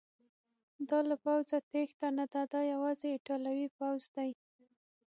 دا له پوځه تیښته نه ده، دا یوازې ایټالوي پوځ دی.